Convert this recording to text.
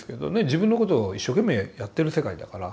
自分のことを一生懸命やってる世界だから。